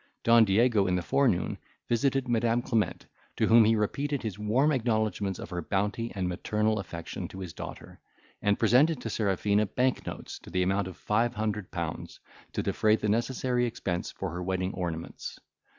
Don Diego in the forenoon visited Madam Clement, to whom he repeated his warm acknowledgments of her bounty and maternal affection to his daughter, and presented to Serafina bank notes to the amount of five hundred pounds, to defray the necessary expense for her wedding ornaments.